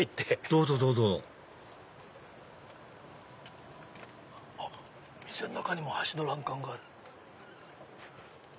どうぞどうぞあっお店の中にも橋の欄干がある。